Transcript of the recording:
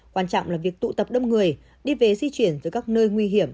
quan trọng là việc tụ tập đông người đi về di chuyển tới các nơi nguy hiểm